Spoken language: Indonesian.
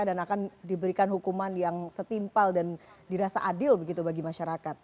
dan akan diberikan hukuman yang setimpal dan dirasa adil begitu bagi masyarakat